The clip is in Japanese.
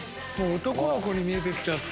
男の子に見えて来ちゃった。